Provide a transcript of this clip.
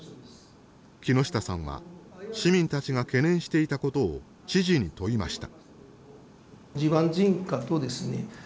木下さんは市民たちが懸念していたことを知事に問いました。